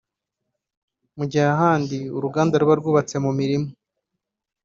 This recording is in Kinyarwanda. mu gihe ahandi uruganda ruba rwubatse mu mirima